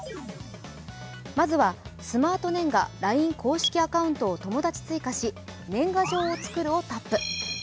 まずは、スマートねんがＬＩＮＥ公式アカウントを友達追加し、年賀状をつくるをタップ。